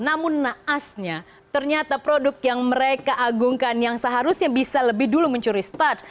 namun naasnya ternyata produk yang mereka agungkan yang seharusnya bisa lebih dulu mencuri start